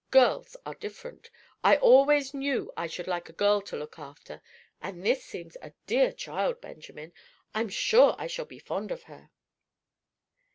Girls are different. I always knew that I should like a girl to look after, and this seems a dear child, Benjamin. I'm sure I shall be fond of her."